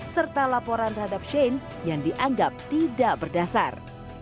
serta laporan terhadap shane yang dianggap tidak berdasar